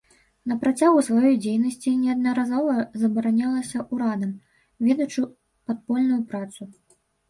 На працягу сваёй дзейнасці неаднаразова забаранялася ўрадам, ведучы падпольную працу.